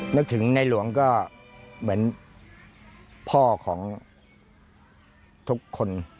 นึกถึงในหลวงก็เหมือนพ่อของทุกคน